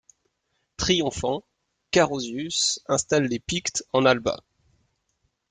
Triomphant, Carausius installe les Pictes en Alba.